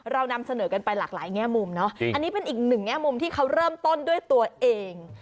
เรานำเสนอกันไปหลากหลายแง่มุมเนาะอันนี้เป็นอีกหนึ่งแง่มุมที่เขาเริ่มต้นด้วยตัวเอง